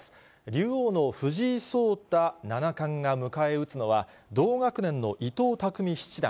竜王の藤井聡太七冠が迎え撃つのは、同学年の伊藤匠七段。